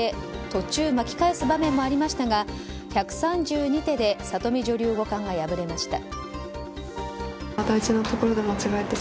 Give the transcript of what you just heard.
途中巻き返す場面もありましたが１３２手で里見女流五冠が破れました。